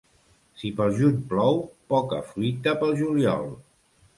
Si pel juny plou, poca fruita pel juliol.